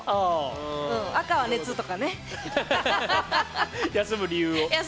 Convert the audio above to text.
赤は熱とかね、休む理由を。